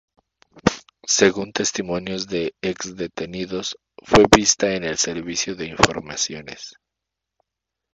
Según testimonios de ex detenidos, fue vista en el Servicio de Informaciones.